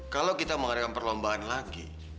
kalau kita mengadakan perlombaan lagi